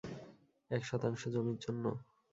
এক শতাংশ জমির জন্য?